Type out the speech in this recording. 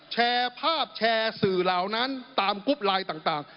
แชร์ภาพแชร์สื่อเหล่านั้นตามกรุ๊ปไลน์ต่าง